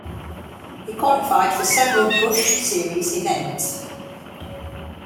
He qualified for several Busch Series events.